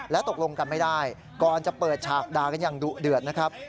ตกลงกันไม่ได้ก่อนจะเปิดฉากด่ากันอย่างดุเดือดนะครับ